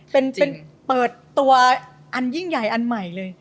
เป็นเปิดตัวอันยิ่งใหญ่อันใหม่เลย